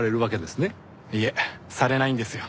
いえされないんですよ。